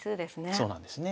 そうなんですね。